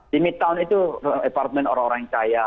di midtown itu apartemen orang orang yang kaya